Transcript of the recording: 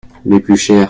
Les plus chères.